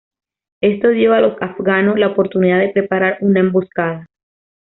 Esto dio a los afganos la oportunidad de preparar una emboscada.